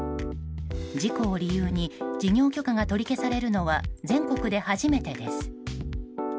事故を理由に事業許可が取り消されるのは全国で初めてです。